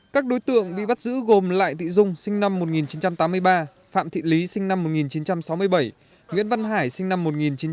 các đối tượng bị bắt giữ gồm lại thị dung sinh năm một nghìn chín trăm tám mươi ba phạm thị lý sinh năm một nghìn chín trăm sáu mươi bảy nguyễn văn hải sinh năm một nghìn chín trăm tám mươi